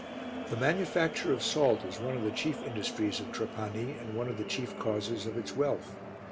The manufacture of salt is one of the chief industries of Trapani and one of the chief causes of its wealth.